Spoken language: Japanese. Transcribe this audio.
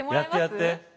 やってやって。